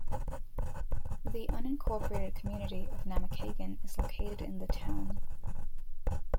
The unincorporated community of Namekagon is located in the town.